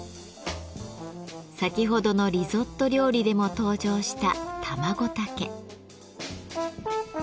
先ほどのリゾット料理でも登場したタマゴタケ。